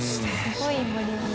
すごいボリューム。